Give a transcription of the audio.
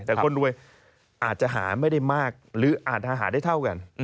แต่คนรวยอาจจะหาไม่ได้มากหรืออาจจะหาได้เท่ากัน